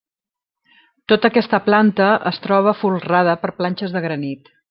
Tota aquesta planta es troba folrada per planxes de granit.